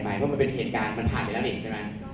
เพราะมันเป็นเหตุการณ์มันผ่านไปแล้วนี่ใช่ไหม